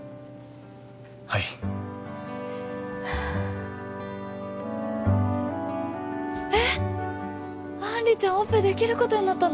はいえっ杏里ちゃんオペできることになったの？